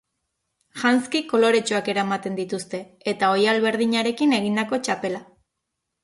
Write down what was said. Janzki koloretsuak eramaten dituzte, eta oihal berdinarekin egindako txapela.